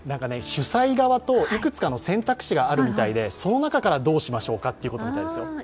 主催側といくつかの選択肢があるみたいでその中から、どうしましょうかということのようですよ。